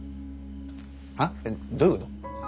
は？どういうこと？